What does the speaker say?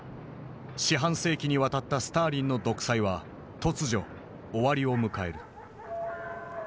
四半世紀にわたったスターリンの独裁は突如終わりを迎える。